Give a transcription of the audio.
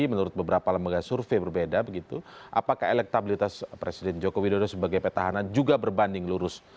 menurut beberapa lembaga survei berbeda begitu apakah elektabilitas presiden joko widodo sebagai petahana juga berbanding lurus